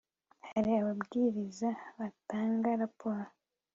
hari ababwiriza batanga raporo